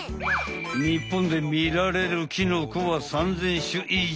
日本でみられるキノコは３０００種以上。